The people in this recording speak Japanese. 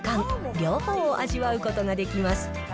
両方を味わうことができます。